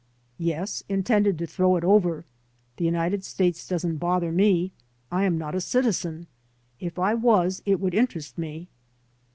"Yes, intended to throw it over. The United States doesn't bother me. I am not a citizen. If I was it would interest me."